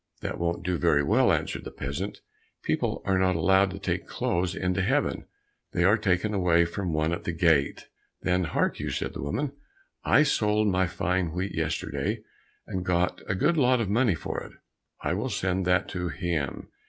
"That won't do very well," answered the peasant; "people are not allowed to take clothes into Heaven, they are taken away from one at the gate." "Then hark you," said the woman, "I sold my fine wheat yesterday and got a good lot of money for it, I will send that to him.